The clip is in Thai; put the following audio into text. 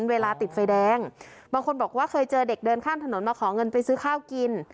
เวลาติดไฟแดงบางคนบอกว่าเคยเจอเด็กเดินข้ามถนนมาขอเงินไปซื้อข้าวกิน